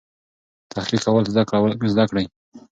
تحقیق کول زده کړئ.